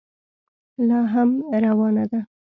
لا هم روانه ده.